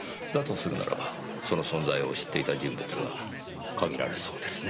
するならばその存在を知っていた人物は限られそうですね。